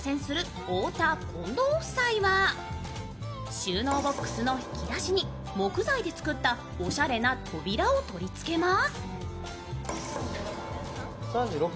収納ボックスの引き出しに木材で作ったおしゃれな扉を取り付けます。